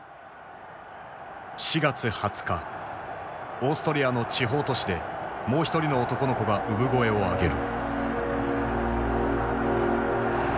オーストリアの地方都市でもう一人の男の子が産声を上げる。